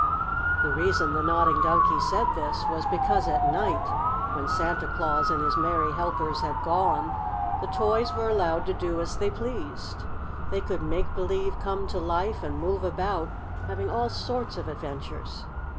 The reason the Nodding Donkey said this, was because at night, when Santa Claus and his merry helpers had gone, the toys were allowed to do as they pleased. They could make believe come to life, and move about, having all sorts of adventures.